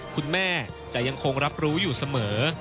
คุณแม่จะยังคงรับรู้อยู่เสมอ